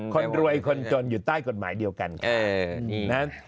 คนรวยคนจนอยู่ใต้กฎหมายเดียวกัน